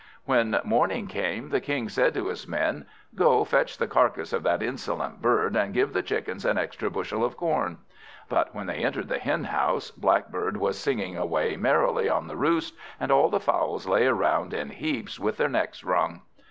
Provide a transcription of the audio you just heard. When morning came, the King said to his men, "Go, fetch the carcass of that insolent bird, and give the Chickens an extra bushel of corn." But when they entered the henhouse, Blackbird was singing away merrily on the roost, and all the fowls lay around in heaps with their necks wrung.